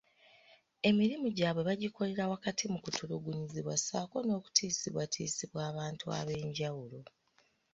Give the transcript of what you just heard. Emirimu gyabwe bakikolera wakati mu kutulugunyizibwa ssaako n'okutiisibwatiisibwa abantu ab'enjawulo.